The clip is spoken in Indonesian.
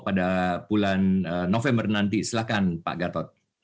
pada bulan november nanti silakan pak gatot